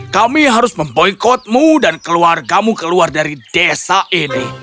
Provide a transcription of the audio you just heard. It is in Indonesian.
kami harus memboykotmu dan keluargamu keluar dari desa ini